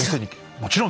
もちろん！